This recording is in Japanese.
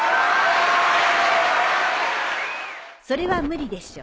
それは無理でしょ。